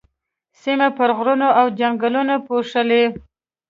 سيمه پر غرونو او ځنګلونو پوښلې.